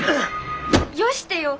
よしてよ。